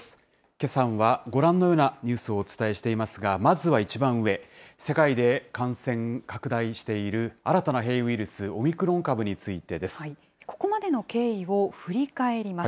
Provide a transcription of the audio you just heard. けさはご覧のようなニュースをお伝えしていますが、まずはいちばん上、世界で感染拡大している新たな変異ウイルス、オミクロン株についここまでの経緯を振り返ります。